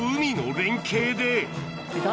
いた？